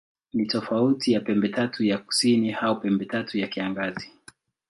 Ni tofauti na Pembetatu ya Kusini au Pembetatu ya Kiangazi.